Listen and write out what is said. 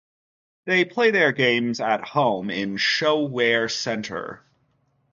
They play their games at home in ShoWare Center.